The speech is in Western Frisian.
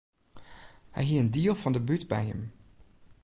Hy hie in diel fan de bút by him.